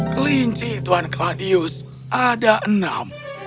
kelinci tuan cladius ada enam